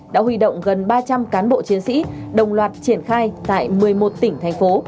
đã huy động gần ba trăm linh cán bộ chiến sĩ đồng loạt triển khai tại một mươi một tỉnh thành phố